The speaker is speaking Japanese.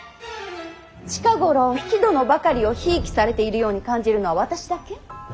近頃比企殿ばかりをひいきされているように感じるのは私だけ？